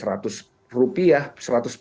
harga earphone misalnya rp seratus